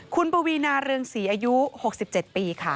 คุณปวีนาเรืองศรีอายุ๖๗ปีค่ะ